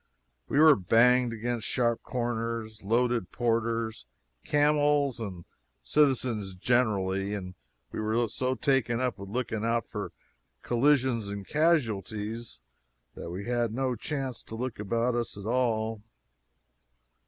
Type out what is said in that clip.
We were banged against sharp corners, loaded porters, camels, and citizens generally; and we were so taken up with looking out for collisions and casualties that we had no chance to look about us at all.